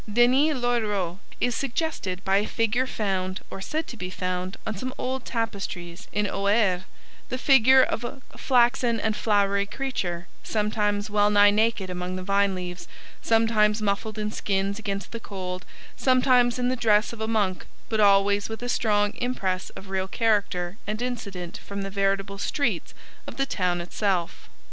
Denys l'Auxerrois is suggested by a figure found, or said to be found, on some old tapestries in Auxerre, the figure of a 'flaxen and flowery creature, sometimes wellnigh naked among the vine leaves, sometimes muffled in skins against the cold, sometimes in the dress of a monk, but always with a strong impress of real character and incident from the veritable streets' of the town itself.